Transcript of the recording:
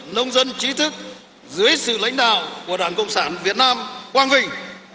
nông dân trí thức dưới sự lãnh đạo của đảng cộng sản việt nam quang vinh